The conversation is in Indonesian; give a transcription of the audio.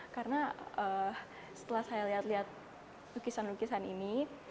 karena setelah saya lihat lihat lukisan lukisan ini